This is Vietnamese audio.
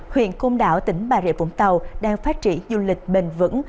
huyện côn đảo tỉnh bà rịa vũng tàu đang phát triển du lịch bền vững